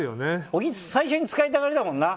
小木、最初に使いたがりだもんな。